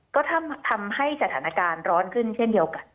ก็ทำให้สถานการณ์ร้อนขึ้นเช่นเดียวกัน